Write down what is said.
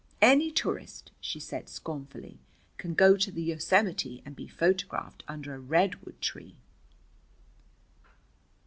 Any tourist," she said scornfully, "can go to the Yosemite and be photographed under a redwood tree."